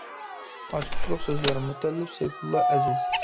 ئاچقۇچلۇق سۆزلەر : مۇتەللىپ سەيپۇللا ئەزىز.